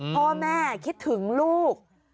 เพราะแม่คิดถึงลูก